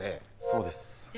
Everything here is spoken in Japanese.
そうです。